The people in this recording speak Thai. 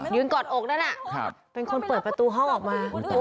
ยืนกอดอกด้วยน่ะน่ะค่ะเป็นคนเปิดประตูออกมา